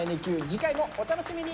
次回もお楽しみに。